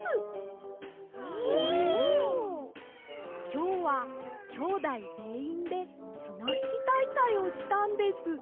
きょうはきょうだいぜんいんでつなひきたいかいをしたんです。